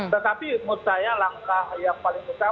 tetapi menurut saya langkah yang paling utama yang harus dilakukan adalah